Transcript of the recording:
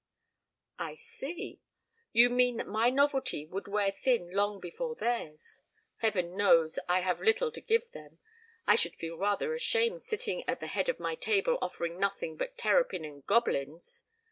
"I see. You mean that my novelty would wear thin long before theirs. Heaven knows I have little to give them. I should feel rather ashamed sitting at the head of my table offering nothing but terrapin and Gobelins.